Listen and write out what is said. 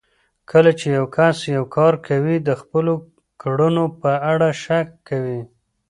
کله چې يو کس يو کار کوي د خپلو کړنو په اړه شک کوي.